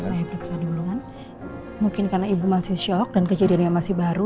saya periksa duluan mungkin karena ibu masih shock dan kejadiannya masih baru